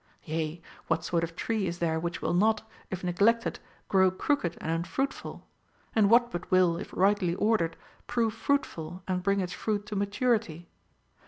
Yea, Avhat sort of tree is there which λνϊΐΐ not, if neglected, grow crooked and unfruitful ; and what but Avill, if rightly ordered, prove fruitful and bring its fruit to maturity?